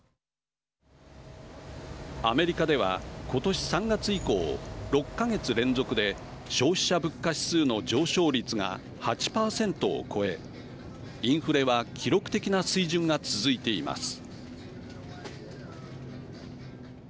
アメリカでは、今年３月以降６か月連続で消費者物価指数の上昇率が８％を超えインフレは記録的な水準が続いています。